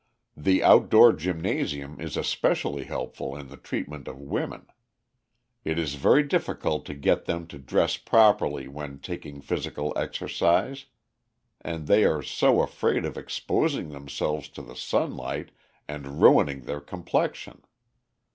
"The outdoor gymnasium is especially helpful in the treatment of women. It is very difficult to get them to dress properly when taking physical exercise, and they are 'so afraid' of exposing themselves to the sunlight and 'ruining' their complexion.